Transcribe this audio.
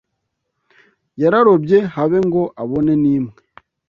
Yararobye habe ngo abone n’imwe